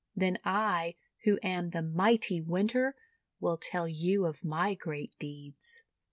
Then I, who am the mighty Winter, will tell you of my great deeds."